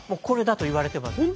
これだといわれてます。